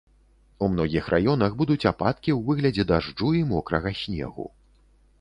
У многіх раёнах будуць ападкі ў выглядзе дажджу і мокрага снегу.